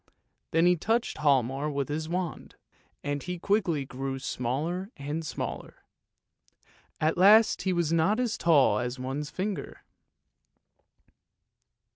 " Then he touched Hialmar with his wand, and he quickly grew smaller and smaller; at last he was not as tall as one's finger.